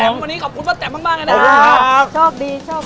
วันนี้ขอบคุณว่าแต่มมากนะครับขอบคุณครับโชคดีโชคดีโชคดี